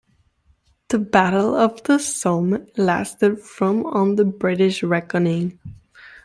The Battle of the Somme lasted from on the British reckoning.